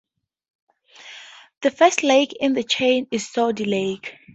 The first lake in the chain is Todd Lake.